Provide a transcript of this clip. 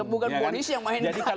bukan polisi yang mainkan